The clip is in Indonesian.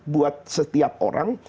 buat setiap orang